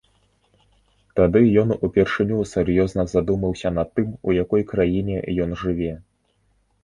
Тады ён упершыню сур'ёзна задумаўся над тым, у якой краіне ён жыве.